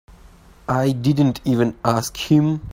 I didn't even ask him.